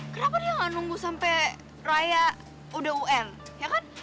kenapa dia nggak nunggu sampai raya udah un ya kan